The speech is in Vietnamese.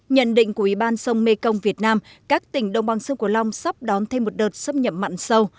nhận định của ủy ban sông mê công việt nam các tỉnh đồng bằng sông cổ long sắp đón thêm một đợt xâm nhập mặn sâu